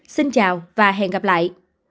xin chào và hẹn gặp lại